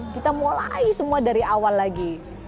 kita mulai semua dari awal lagi